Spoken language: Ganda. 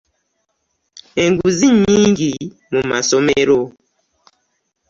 Enguzi nnyingi mu masomero.